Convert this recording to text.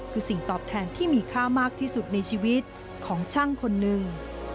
คือสิ่งตอบแทนที่มีค่ามากที่สุดในชีวิตของช่างคนหนึ่ง